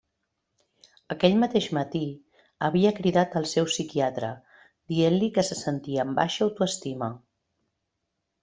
Aquell mateix matí, havia cridat al seu psiquiatre dient-li que se sentia amb baixa autoestima.